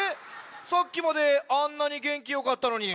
さっきまであんなにげんきよかったのに。